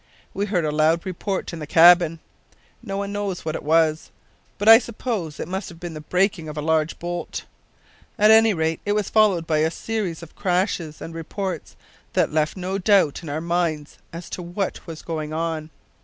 We heard a loud report in the cabin. No one knows what it was, but I suppose it must have been the breaking of a large bolt. At any rate it was followed by a series of crashes and reports that left no doubt in our minds as to what was going on.